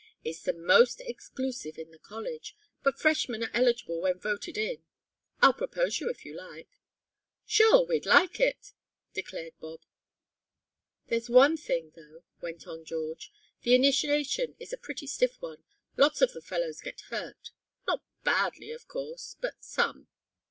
"It's the most exclusive in the college, but freshmen are eligible when voted in. I'll propose you if you like." "Sure, we'd like it!" declared Bob. "There's one thing, though," went on George. "The initiation is a pretty stiff one. Lots of the fellows get hurt not badly, of course, but some."